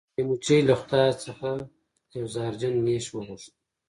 یوې مچۍ له خدای څخه یو زهرجن نیش وغوښت.